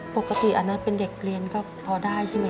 ปกติอาณาทร์เป็นเด็กเรียนก็พอได้ใช่ไหม